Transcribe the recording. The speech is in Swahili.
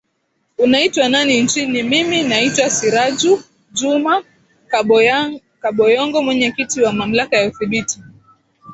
unaitwa nani nchini mimi naitwa siraju juma kaboyonga mwenyekiti wa mamlaka ya uthibiti